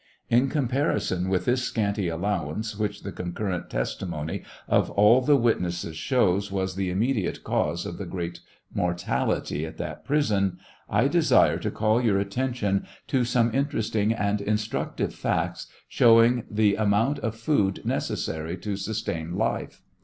In comparison with this scanty allowance which the concurrent testimony of all thp witnesses shows was the immediate cause of the great mor tality at that prison, 1 desire to call your attention to some interesting and instructive facts, showing the amount of food necessary to sustain life.